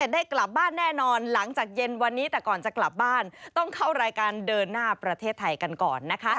ได้กลับบ้านแน่นอนหลังจากเย็นวันนี้แต่ก่อนจะกลับบ้านต้องเข้ารายการเดินหน้าประเทศไทยกันก่อนนะคะ